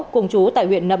cùng chú tại huyện nầm